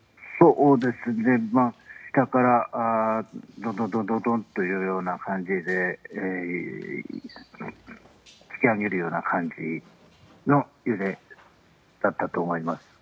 下からドドドンという感じで突き上げるような感じの揺れだったと思います。